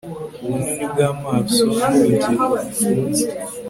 Ubunini bwamaso nubugingo bifunze